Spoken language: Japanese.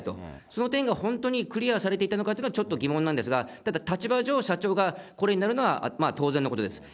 その点が本当にクリアされていたのかっていうのがちょっと疑問なんですが、ただ立場上、社長がこれになるのは、当然のことです。